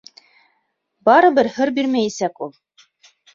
Барыбер һыр бирмәйәсәк ул.